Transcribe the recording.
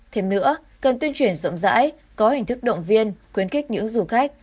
thêm nữa cần tuyên truyền rộng rãi có hình thức động viên quyến kích những du khách